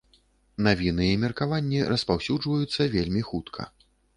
Навіны і меркаванні распаўсюджваюцца вельмі хутка.